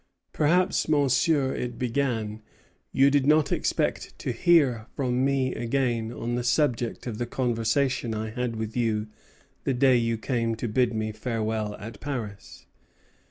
"Perhaps, Monsieur," it began, "you did not expect to hear from me again on the subject of the conversation I had with you the day you came to bid me farewell at Paris.